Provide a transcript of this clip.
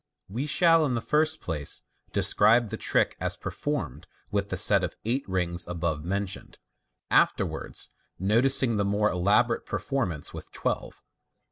We shall, in the first place, describe the trick as performed with the set of eight rings above mentioned, afterwards noticing the more elaborate performance with twelve.